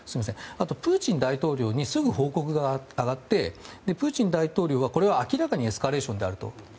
あと、プーチン大統領にすぐ報告が上がってプーチン大統領はこれは明らかにエスカレーションであると。